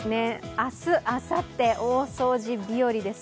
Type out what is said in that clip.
明日、あさって、大掃除日和です。